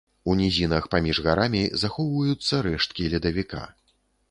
У нізінах паміж гарамі захоўваюцца рэшткі ледавіка.